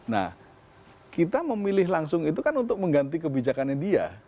nah kita memilih langsung itu kan untuk mengganti kebijakannya dia